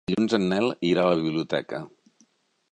Dilluns en Nel irà a la biblioteca.